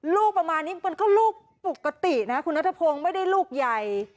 ลูกประมาณนี้มันก็ลูกปกตินะคุณนัทพงศ์ไม่ได้ลูกใหญ่